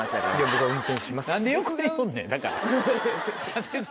僕が運転します。